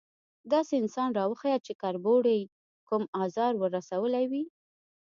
_داسې انسان راوښيه چې کربوړي کوم ازار ور رسولی وي؟